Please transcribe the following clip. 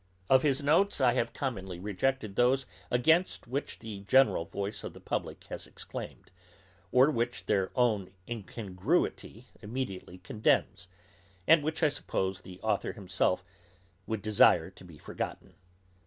Of his notes, I have commonly rejected those, against which the general voice of the publick has exclaimed, or which their own incongruity immediately condemns, and which, I suppose, the authour himself would desire to be forgotten.